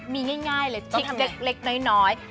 มีง่ายเลยพริกเล็กน้อย